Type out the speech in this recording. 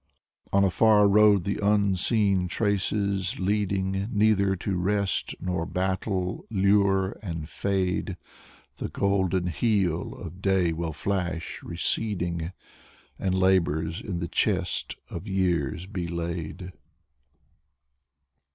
On a far road the unseen traces, leading Neither to rest nor battle, lure and fade; The golden heel of day will flash, receding, And labors in the chest of years be laid.